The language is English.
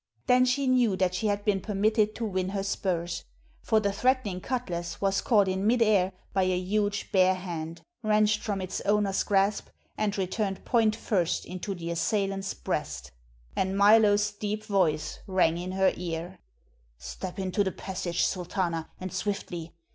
Then she knew that she had been permitted to win her spurs. For the threatening cutlas was caught in mid air by a huge bare hand, wrenched from its owner's grasp, and returned point first into the assailant's breast. And Milo's deep voice rang in her ear: "Step into the passage, Sultana, and swiftly.